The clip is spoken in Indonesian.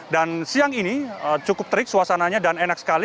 dan siang ini cukup terik suasananya dan enak sekali